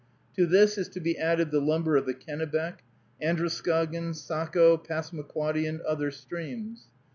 To this is to be added the lumber of the Kennebec, Androscoggin, Saco, Passamaquoddy, and other streams.